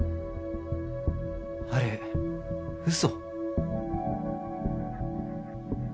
あれ嘘？